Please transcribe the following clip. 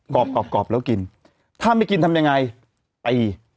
รอบกรอบแล้วกินถ้าไม่กินทำยังไงตี